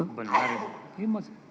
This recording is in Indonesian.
wah benar ya